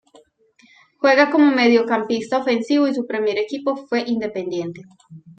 Juega como mediocampista ofensivo y su primer equipo fue Independiente.